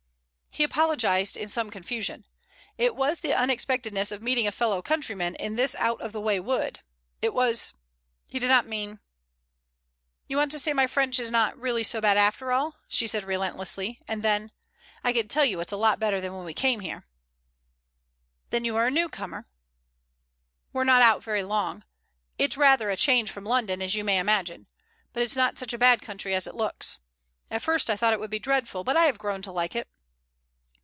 He apologized in some confusion. It was the unexpectedness of meeting a fellow countryman in this out of the way wood... It was... He did not mean.... "You want to say my French is not really so bad after all?" she said relentlessly, and then: "I can tell you it's a lot better than when we came here." "Then you are a newcomer?" "We're not out very long. It's rather a change from London, as you may imagine. But it's not such a bad country as it looks. At first I thought it would be dreadful, but I have grown to like it."